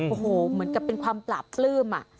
โอ้โหเหมือนกับเป็นความปราบปลื้ม